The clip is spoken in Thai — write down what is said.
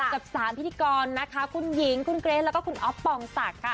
กับ๓พิธีกรนะคุณหญิงคุณเกรสและคุณอ๊อฟปองน์สัก